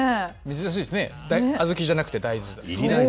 珍しいですね、小豆じゃなくいり大豆ですよ。